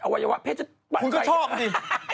อวัยวะเพศจะปั่นไปไอ้บ้านคุณก็ชอบดิ